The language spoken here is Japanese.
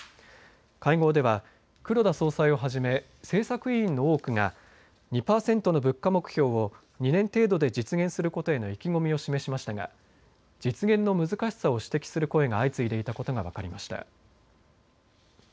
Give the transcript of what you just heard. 会合では黒田総裁をはじめ政策委員の多くが２％の物価目標を２年程度で実現することへの意気込みを示しましたが実現の難しさを指摘する声が相次いでいたことが分かりました。